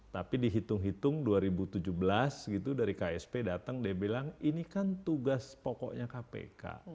tapi dihitung hitung dua ribu tujuh belas gitu dari ksp datang dia bilang ini kan tugas pokoknya kpk